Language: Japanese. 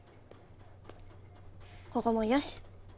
ここもよし。